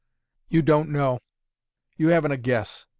You don't know; you haven't a guess.